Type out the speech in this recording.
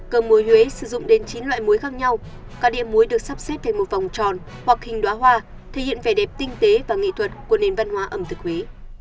cơm muối huế sử dụng đến chín loại muối khác nhau các đĩa muối được sắp xếp thành một vòng tròn hoặc hình đoá hoa thể hiện vẻ đẹp tinh tế và nghị thuật của nền văn hóa ẩm thực huế